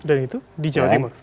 dan itu di jawa timur